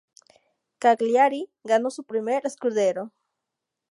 Cagliari ganó primer "scudetto".